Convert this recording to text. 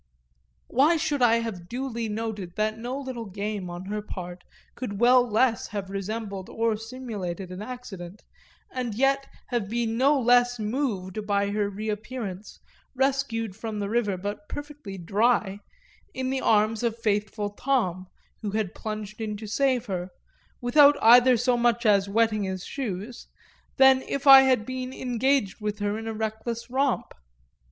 Why should I have duly noted that no little game on her part could well less have resembled or simulated an accident, and yet have been no less moved by her reappearance, rescued from the river but perfectly dry, in the arms of faithful Tom, who had plunged in to save her, without either so much as wetting his shoes, than if I had been engaged with her in a reckless romp?